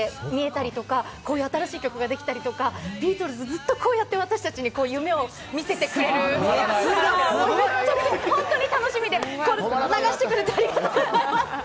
技術が発達して、こういう新しい曲ができたり、ビートルズ、ずっとこうやって私達に夢を見せてくれる、めっちゃくちゃ本当に楽しみで流してくれてありがとうございます！